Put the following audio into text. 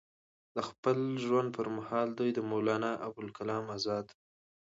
د خپل ژوند پۀ محال دوي د مولانا ابوالکلام ازاد